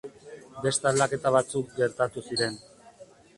Beste aldaketa batzuk gertatu ziren.